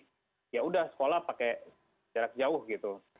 jadi ya sudah sekolah pakai jarak jauh gitu